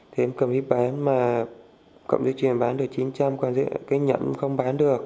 thì em cầm đi bán mà cọng dây chiền bán được chín trăm linh còn cái nhẫn không bán được